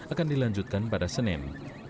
akan dilanjutkan pada senin